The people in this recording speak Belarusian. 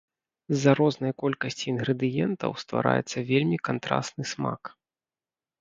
З-за рознай колькасці інгрэдыентаў ствараецца вельмі кантрасны смак.